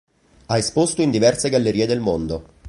Ha esposto in diverse gallerie del mondo.